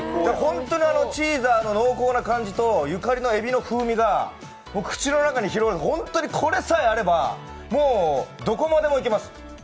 本当にチーザの濃厚な感じとゆかりのえびの風味が口の中に広がり、ホントにこれさえあればどこまでもいけます。